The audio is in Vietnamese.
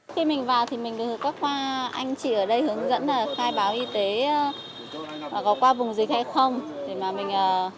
dẫn khai báo y tế có qua vùng dịch hay không